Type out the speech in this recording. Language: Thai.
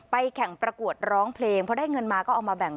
แข่งประกวดร้องเพลงเพราะได้เงินมาก็เอามาแบ่ง